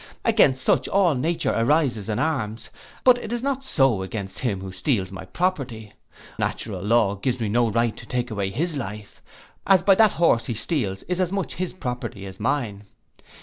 Against such, all nature arises in arms; but it is not so against him who steals my property. Natural law gives me no right to take away his life, as by that the horse he steals is as much his property as mine.